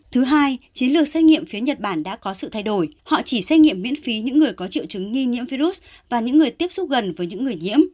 thứ hai chiến lược xét nghiệm phía nhật bản đã có sự thay đổi họ chỉ xét nghiệm miễn phí những người có triệu chứng nghi nhiễm virus và những người tiếp xúc gần với những người nhiễm